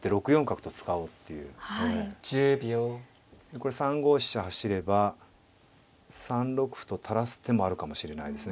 これ３五飛車走れば３六歩と垂らす手もあるかもしれないですね。